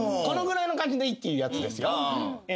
このぐらいの感じでいいっていうやつですよ。